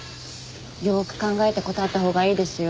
よく考えて答えたほうがいいですよ。